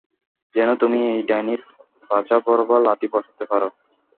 যেন তুমি এই ডাইনীর পাছা বরাবর লাথি বসাতে পারো।